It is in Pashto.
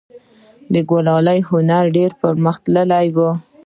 د کلالي هنر ډیر پرمختللی و